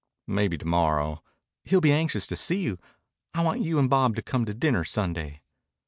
"Maybe to morrow " "He'll be anxious to see you. I want you and Bob to come to dinner Sunday."